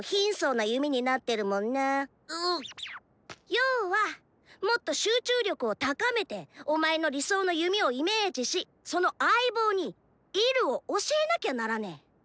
要はもっと集中力を高めてお前の理想の弓をイメージしその相棒に「射る」を教えなきゃならねぇ。